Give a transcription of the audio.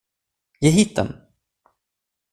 Ge hit den!